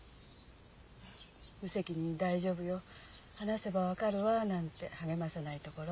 無責任に「大丈夫よ話せば分かるわ」なんて励まさないところ。